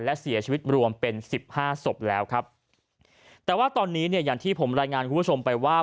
และเสียชีวิตรวมเป็นสิบห้าศพแล้วครับแต่ว่าตอนนี้เนี่ยอย่างที่ผมรายงานคุณผู้ชมไปว่า